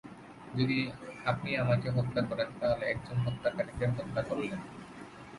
যদি আপনি আমাকে হত্যা করেন, তাহলে একজন হত্যাকারীকে হত্যা করলেন।